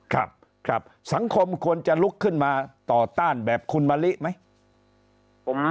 ครับครับสังคมควรจะลุกขึ้นมาต่อต้านแบบคุณมะลิไหม